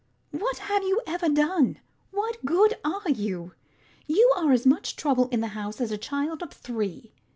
What have you ever done? What good are you? You are as much trouble in the house as a child of three.